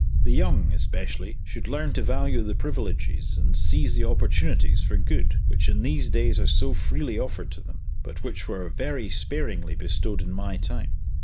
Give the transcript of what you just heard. The young, especially, should learn to value the privileges and seize the opportunities for good which in these days are so freely offered to them, but which were very sparingly bestowed in my time.